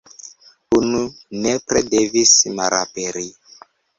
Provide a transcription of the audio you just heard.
Unu nepre devis malaperi."".